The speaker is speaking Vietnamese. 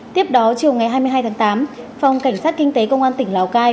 tiếp đó chiều ngày hai mươi hai tháng tám phòng cảnh sát kinh tế công an tỉnh lào cai